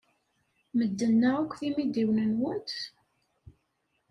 Medden-a akk d imidiwen-nwent?